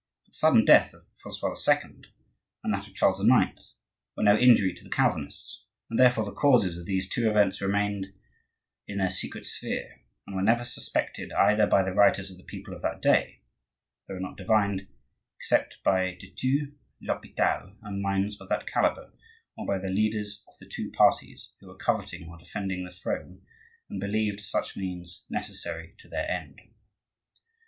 But the sudden death of Francois II., and that of Charles IX., were no injury to the Calvinists, and therefore the causes of these two events remained in their secret sphere, and were never suspected either by the writers of the people of that day; they were not divined except by de Thou, l'Hopital, and minds of that calibre, or by the leaders of the two parties who were coveting or defending the throne, and believed such means necessary to their end.